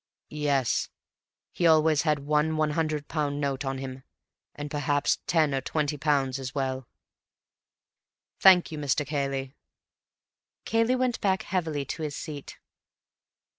"Yes. He always had one £100 note on him, and perhaps ten or twenty pounds as well." "Thank you, Mr. Cayley." Cayley went back heavily to his seat.